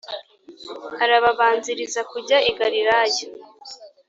Arababanziriza kujya i Galilaya